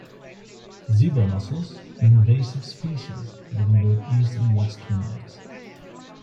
Zebra Mussels, an invasive species, live in both East and West Twin Lakes.